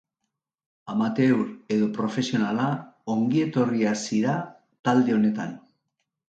Amateur edo profesionala, ongietorria zira talde honetan!